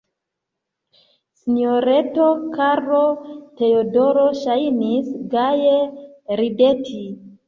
Sinjoreto Karlo-Teodoro ŝajnis gaje rideti.